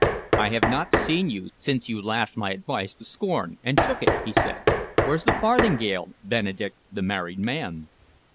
"I have not seen you since you laughed my advice to scorn and took it," he said. "Where's the farthingale, Benedick the married man?"